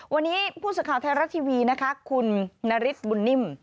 วันนี้ผู้สื่อข่าวไทยรัฐทีวีนะคะคุณนาริสบุญนิ่ม